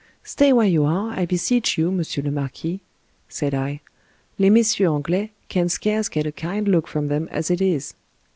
" Stay where you are, I beseech you, Monsieur le Marquis," said I, " Les Messieurs An glais can scarce get a kind look from them as it is."